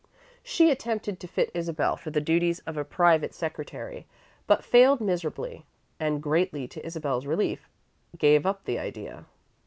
She attempted to fit Isabel for the duties of a private secretary, but failed miserably, and, greatly to Isabel's relief, gave up the idea.